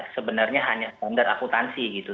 sebenarnya hanya standar akutansi gitu